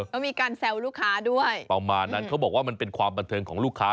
ก็มีการแซวลูกค้าด้วยประมาณนั้นเขาบอกว่ามันเป็นความบันเทิงของลูกค้า